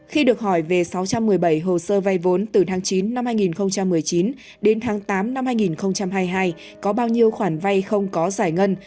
khi được hỏi về sáu trăm một mươi bảy hồ sơ vay vốn từ tháng chín năm hai nghìn một mươi chín đến tháng tám năm hai nghìn hai mươi hai có bao nhiêu khoản vay không có giải ngân